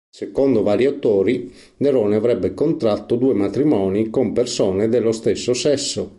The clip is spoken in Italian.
Secondo vari autori, Nerone avrebbe contratto due "matrimoni" con persone dello stesso sesso.